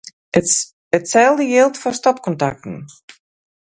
Itselde jildt foar stopkontakten.